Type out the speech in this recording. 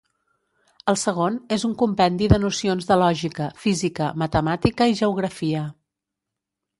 El segon, és un compendi de nocions de lògica, física, matemàtica i geografia.